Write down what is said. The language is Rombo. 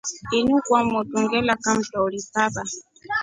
Ini kwa motru ngela kamtori taba.